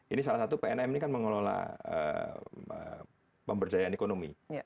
ini salah satu pnm ini kan mengelola pemberdayaan ekonomi